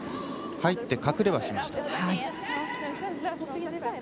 入って隠れはしました。